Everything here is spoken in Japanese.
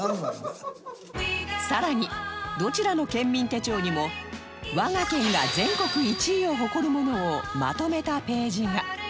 さらにどちらの県民手帳にも我が県が全国１位を誇るものをまとめたページが